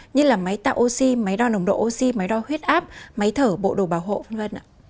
như là máy tạo oxy máy đo nồng độ oxy máy đo huyết áp máy thở bộ đồ bảo hộ v v